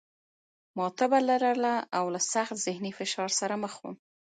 ما تبه لرله او له سخت ذهني فشار سره مخ وم